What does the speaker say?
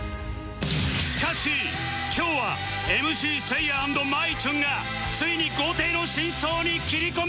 しかし今日は ＭＣ せいや＆まいちゅんがついに豪邸の真相に切り込みます！